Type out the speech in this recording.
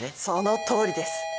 そのとおりです。